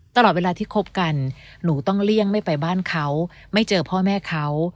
ตลอดเวลาที่คบกันหนูต้องเลี่ยงไม่ไปบ้านเขาไม่เจอพ่อแม่เขา